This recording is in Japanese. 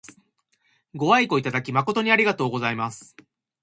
ご愛顧いただき誠にありがとうございます。